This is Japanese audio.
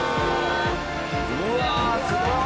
うわすごっ！